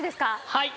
はい。